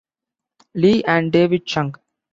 Li and David Chung.